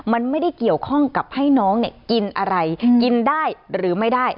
มันไม่ได้เกี่ยวข้องกับให้น้องเนี่ยกินอะไรกินได้หรือไม่ได้